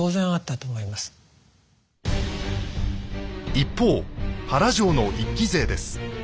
一方原城の一揆勢です。